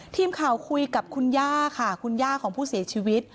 ทีมข่าวคุยกับคุณย่าค่ะคุณย่าของผู้เสียชีวิต